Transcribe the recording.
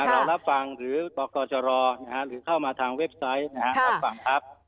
รับฟังหรือบอกกจรหรือเข้ามาทางเว็บไซต์รับฟังครับ